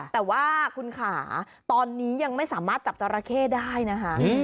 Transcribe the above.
แต่ว่าคุณขาตอนนี้ยังไม่สามารถจับจราเข้ได้นะคะ